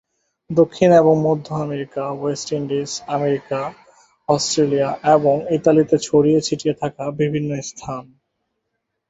দক্ষিণ এবং মধ্য America, West Indies, America, Australia এবং ইতালিতে ছড়িয়ে ছিটিয়ে থাকা বিভিন্ন স্থান।